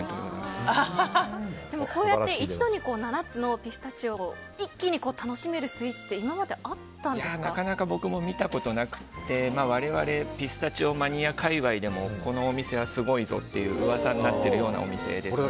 でもこうやって一度に７つのピスタチオを一気に楽しめるスイーツってなかなか僕も見たことなくて我々ピスタチオマニア界隈でもこのお店はすごいぞといううわさになってるようなお店ですね。